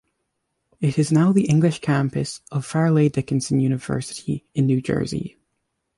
It is now the English campus of Fairleigh Dickinson University in New Jersey.